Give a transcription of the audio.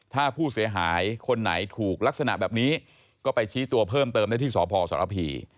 ถ้าผู้เสียหายคนไหนถูกลักษณะแบบนี้ก็ไปชี้ตัวเพิ่มเติมได้ที่สพสรพี